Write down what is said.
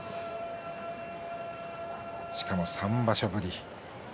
しかも３場所ぶり。